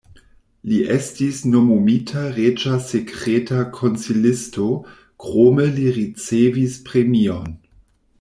Li estis nomumita reĝa sekreta konsilisto, krome li ricevis premion.